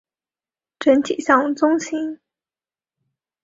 整体像樽形。